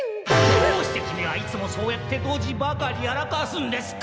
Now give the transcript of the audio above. どうしてキミはいつもそうやってドジばかりやらかすんですか！